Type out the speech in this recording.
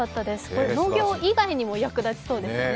農業以外にも役立ちそうですね。